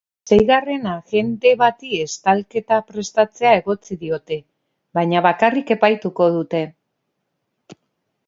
Seigarren agente bati estalketa prestatzea egotzi diote, baina bakarrik epaituko dute.